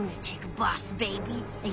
ボス・ベイビー。